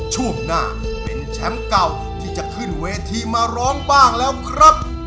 ช่วงหน้าเป็นแชมป์เก่าที่จะขึ้นเวทีมาร้องบ้างแล้วครับ